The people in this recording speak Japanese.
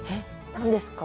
何ですか？